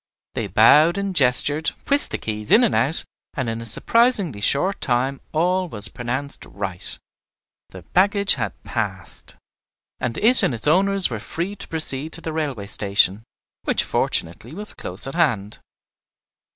They bowed and gestured, whisked the keys in and out, and in a surprisingly short time all was pronounced right, the baggage had "passed," and it and its owners were free to proceed to the railway station, which fortunately was close at hand.